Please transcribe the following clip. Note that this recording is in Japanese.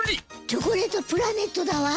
チョコレートプラネットだわ。